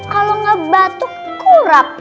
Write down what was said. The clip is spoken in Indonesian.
kalau nggak batuk kurap